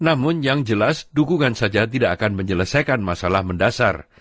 namun yang jelas dukungan saja tidak akan menyelesaikan masalah mendasar